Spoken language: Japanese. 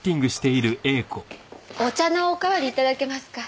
お茶のおかわりいただけますか？